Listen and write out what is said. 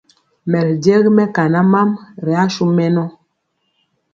Mɛ ri jegi mɛkana mam ri asu mɛnɔ.